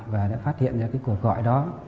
và đã phát hiện ra cuộc gọi đó